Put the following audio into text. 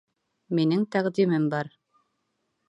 Минең тәҡдимем бар.